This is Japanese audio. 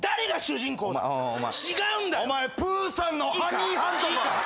お前プーさんのハニーハントか！